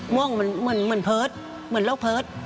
ม่วงเหมือนเพิร์ชเหมือนรกเพิร์ช